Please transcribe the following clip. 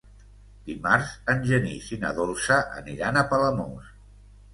Dimarts en Genís i na Dolça aniran a Palamós.